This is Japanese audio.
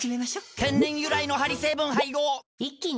天然由来のハリ成分配合一気に！